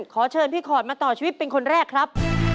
ขอเชิญพี่ขอดมาต่อชีวิตเป็นคนแรกครับ